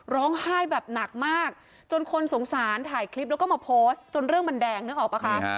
ร้องไห้แบบหนักมากจนคนสงสารถ่ายคลิปแล้วก็มาโพสต์จนเรื่องมันแดงนึกออกป่ะคะ